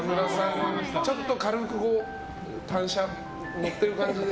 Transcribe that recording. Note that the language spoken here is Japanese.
ちょっと軽く単車を乗ってる感じで。